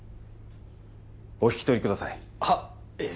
お引き取りくださいはっえ